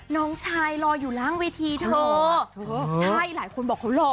น้องชายรออยู่ร่างเวทีเถอะเท่าใช่หลายคนบอกเขาหล่อ